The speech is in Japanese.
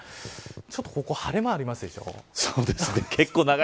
ちょっとここ晴れ間ありますでしょ。